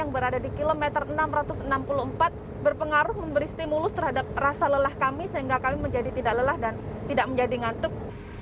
yang berada di kilometer enam ratus enam puluh empat berpengaruh memberi stimulus terhadap rasa lelah kami sehingga kami menjadi tidak lelah dan tidak menjadi ngantuk